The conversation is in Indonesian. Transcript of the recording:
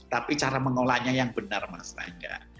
tapi cara mengolahnya yang benar mas rangga